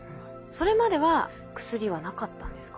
それまでは薬はなかったんですか？